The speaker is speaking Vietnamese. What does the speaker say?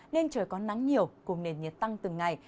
nên trời có nắng nhiều cùng nền nhiệt tăng từng ngày